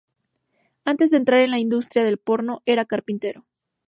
Antes de entrar en la industria del porno, era carpintero.